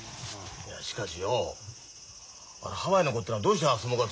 いやしかしよおハワイの子っていうのはどうしてああ相撲が強えんだろうな。